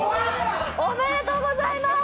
おめでとうございます！